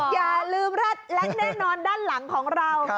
อย่าลืมรัดและแน่นอนด้านหลังของเรา